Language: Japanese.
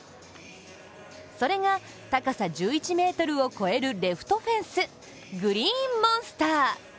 それが、高さ１１ｍを超えるレフトフェンスグリーンモンスター。